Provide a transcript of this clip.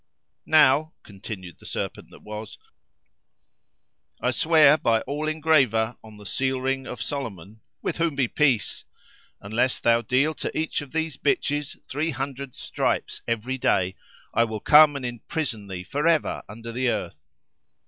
"Now (continued the serpent that was), I swear by all engraven on the seal ring of Solomon[FN#326] (with whom be peace!) unless thou deal to each of these bitches three hundred stripes every day I will come and imprison thee forever under the earth."